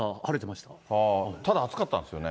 ただ暑かったんですよね。